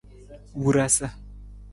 Wurasa.